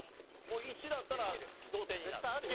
もう１だったら同点になる。